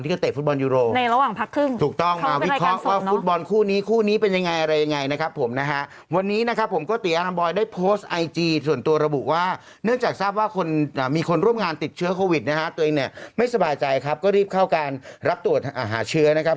เชื้อโควิดนะฮะตัวเองเนี่ยไม่สบายใจครับก็รีบเข้าการรับตรวจอาหารเชื้อนะครับ